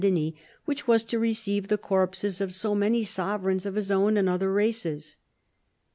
61 St. Denis, which was to receive the corpses of so many sovereigns of his own and other races.